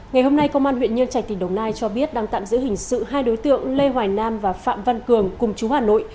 ngày hôm nay công an huyện nhân trạch tỉnh đồng nai cho biết đang tạm giữ hình sự hai đối tượng lê hoài nam và phạm văn cường cùng chú hà nội